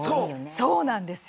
そうなんですよ。